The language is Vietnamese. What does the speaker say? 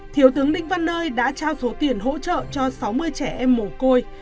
thiếu tướng đinh văn nơi đã trao số tiền hỗ trợ cho sáu mươi trẻ em mồ côi